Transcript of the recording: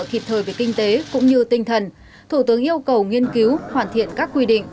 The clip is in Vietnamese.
kịp thời về kinh tế cũng như tinh thần thủ tướng yêu cầu nghiên cứu hoàn thiện các quy định